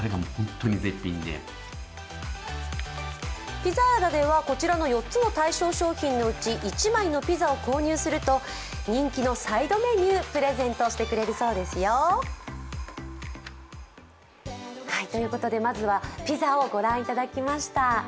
ピザーラではこの４つの対象商品のうち１枚のピザを購入すると人気のサイドメニューをプレゼントしてくれるそうですよまずはピザを御覧いただきました。